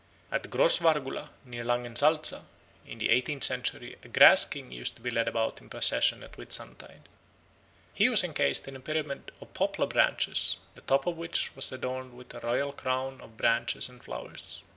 At Grossvargula, near Langensalza, in the eighteenth century a Grass King used to be led about in procession at Whitsuntide. He was encased in a pyramid of poplar branches, the top of which was adorned with a royal crown of branches and flowers.